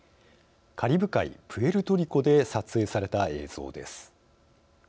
カリブ海、プエルトリコで撮影された映像です。